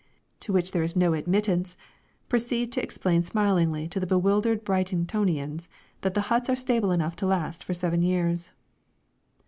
to which there is "No Admittance," proceeded to explain smilingly to the bewildered Brightonians that the huts are stable enough to last for seven years.